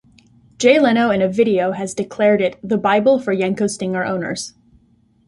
Jay Leno in a video has declared it "the bible for Yenko Stinger owners".